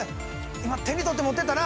今手に取って持ってったな？